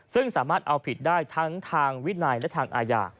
ซึ่งสามารถเอาผิดได้ทั้งทางวินัยและทางอาญา